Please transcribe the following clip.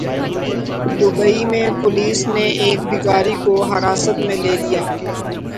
Dubai میں police نے ایک بھکاری کو حراست میں لے لیا